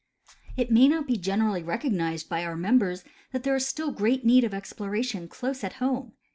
It may not be generally recognized by our members that there is still great need of exploration close at home.